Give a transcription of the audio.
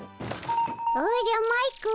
おじゃマイク。